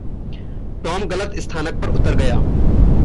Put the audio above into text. Tom गलत स्थानक पर उतर गया।